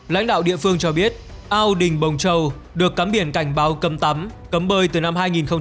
lãnh đạo địa phương cho biết ao đình bồng châu được cắm biển cảnh báo cấm tắm cấm bơi từ năm hai nghìn một mươi